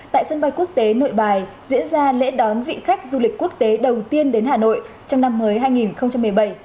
tại sân bay quốc tế nội bài diễn ra lễ đón vị khách du lịch quốc tế đầu tiên đến hà nội trong năm mới hai nghìn một mươi bảy